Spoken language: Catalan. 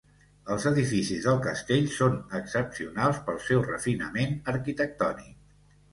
Els edificis del castell són excepcionals pel seu refinament arquitectònic.